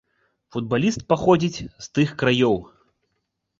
Футбаліст паходзіць з тых краёў.